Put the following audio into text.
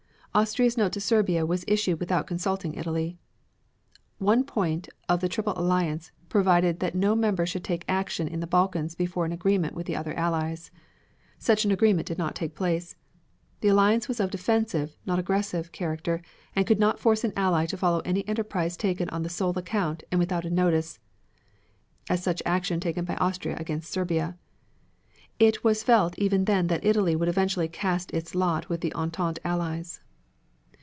Austria's note to Serbia was issued without consulting Italy. One point of the Triple Alliance provided that no member should take action in the Balkans before an agreement with the other allies. Such an agreement did not take place. The alliance was of defensive, not aggressive, character and could not force an ally to follow any enterprise taken on the sole account and without a notice, as such action taken by Austria against Serbia. It was felt even then that Italy would eventually cast its lot with the Entente Allies.